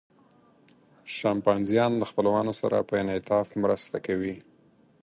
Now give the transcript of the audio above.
شامپانزیان له خپلوانو سره په انعطاف مرسته کوي.